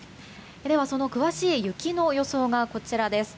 その詳しい雪の予想がこちらです。